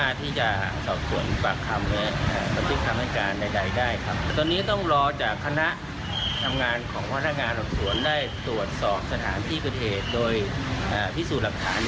ตอนนี้ต้องรอจากคณะทำงานของพนักงานสอบสวนได้ตรวจสอบสถานที่เกิดเหตุโดยพิสูจน์หลักฐาน